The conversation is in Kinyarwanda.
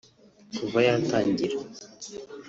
Kuva yatangira